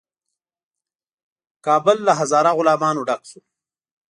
کابل له هزاره غلامانو ډک شو.